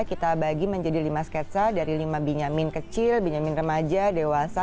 kita bagi menjadi lima sketsa dari lima benyamin kecil benyamin remaja dewasa